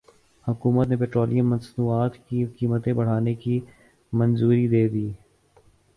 حکومت نے پیٹرولیم مصنوعات کی قیمتیں بڑھانے کی منظوری دے دی